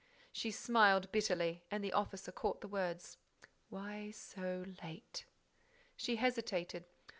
She smiled bitterly and the officer caught the words: "Why so late?" She hesitated.